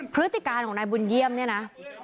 พฤติการของนายบุญเยี่ยมเนี่ยนะ